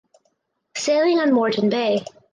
Sailing on Moreton Bay.